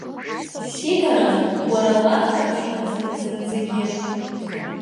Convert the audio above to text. Сидоров уара уаха имаӡам зынӡагьы.